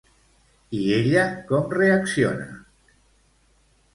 I ella com reacciona?